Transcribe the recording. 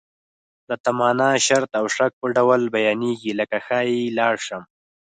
د تمنا، شرط او شک په ډول بیانیږي لکه ښایي لاړ شم.